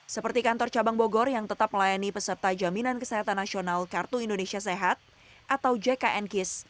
seperti kantor cabang bogor yang tetap melayani peserta jaminan kesehatan nasional kartu indonesia sehat atau jkn kis